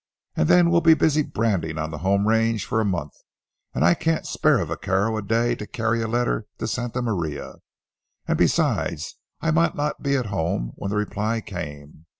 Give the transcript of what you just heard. And then we'll be busy branding on the home range for a month, and I can't spare a vaquero a day to carry a letter to Santa Maria. And besides, I might not be at home when the reply came.